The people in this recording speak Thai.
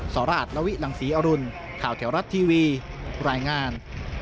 สราชละวิหลังศรีอรุณข่าวแถวรัฐทีวีรายงาน